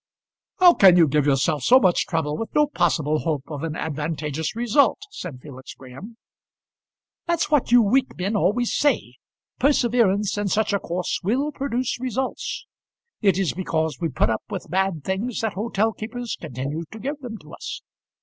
"How can you give yourself so much trouble with no possible hope of an advantageous result?" said Felix Graham. "That's what you weak men always say. Perseverance in such a course will produce results. It is because we put up with bad things that hotel keepers continue to give them to us.